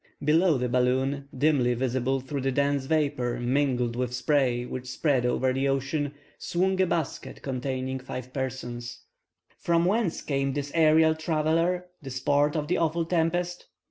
Below the balloon, dimly visible through the dense vapor, mingled with spray, which spread over the ocean, swung a basket containing five persons. From whence came this aerial traveller, the sport of the awful tempest?